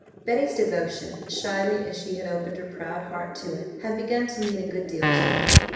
Betty's devotion, shyly as she had opened her proud heart to it, had begun to mean a good deal to her.